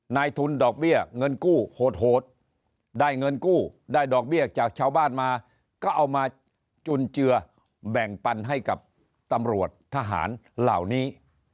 นายทุนดอกเบี้ยเงินกู้โหดได้เงินกู้ได้ดอกเบี้ยจากชาวบ้านมาก็เอามาจุนเจือแบ่งปันให้กับตำรวจทหารเหล่านี้